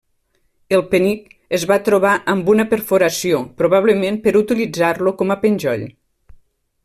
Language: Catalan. El penic es va trobar amb una perforació, probablement per utilitzar-lo com a penjoll.